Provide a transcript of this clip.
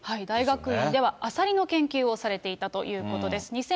大学院ではアサリの研究をされていたということです。